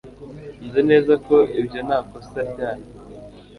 Nzi neza ko ibyo nta kosa ryanyu